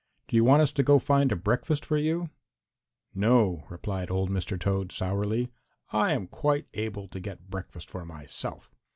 "Do you want us to go find a breakfast for you?" "No," replied old Mr. Toad sourly. "I am quite able to get breakfast for myself.